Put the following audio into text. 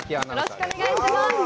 よろしくお願いします。